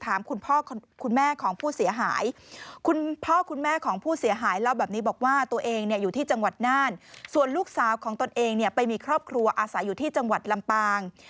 อาศัยอยู่ที่จังหวัดลำปาง